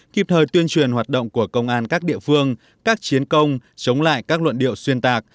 kịp thời tuyên truyền hoạt động của công an các địa phương các chiến công chống lại các luận điệu xuyên tạc